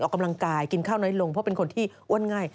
ออกกำลังกายกินข้าวน้อยลงเพราะเป็นคนที่อ้วนง่าย